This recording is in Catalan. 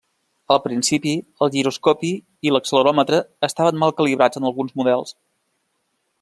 Al principi el giroscopi i l'acceleròmetre estaven mal calibrats en alguns models.